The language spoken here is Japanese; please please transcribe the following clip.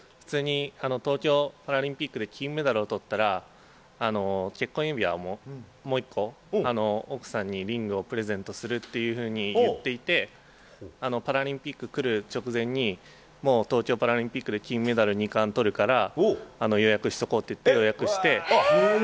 東京パラリンピックで金メダルを取ったら結婚指輪をもう１個、奥さんにリングをプレゼントするっていうふうに言っていて、パラリンピックに来る直前に、この東京パラリンピックで金メダル２冠取るから予約しとこうって言って予約して。